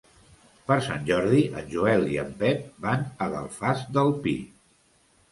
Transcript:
Per Sant Jordi en Joel i en Pep van a l'Alfàs del Pi.